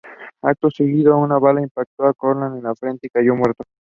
Another tournament called the Marion Miley Invitational was established in Kentucky.